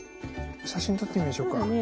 写真撮ってみましょうか。